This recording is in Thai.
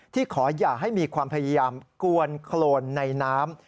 ขออย่าให้มีความพยายามกวนโครนในน้ำ